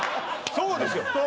そうですよ